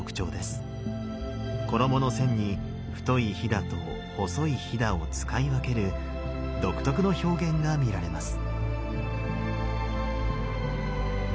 衣の線に太いひだと細いひだを使い分ける独特の表現が見られます。